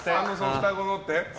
双子のって？